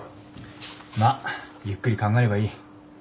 まっゆっくり考えればいい。